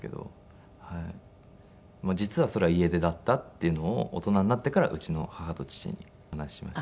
実はそれは家出だったっていうのを大人になってからうちの母と父に話しました。